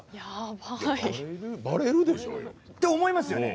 バレるでしょうよ。って思いますよね？